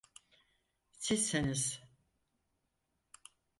Sizsiniz.